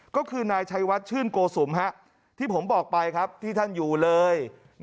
ก็คือนายชัยวัดชื่นโกสุมที่ผมบอกไปครับที่ท่านอยู่เลย